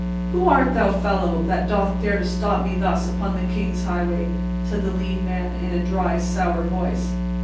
"Who art thou, fellow, that doth dare to stop me thus upon the King's highway?" said the lean man, in a dry, sour voice.